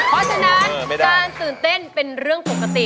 เพราะฉะนั้นการตื่นเต้นเป็นเรื่องปกติ